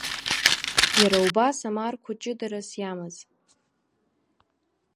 Иара убас амарқәа ҷыдарас иамаз…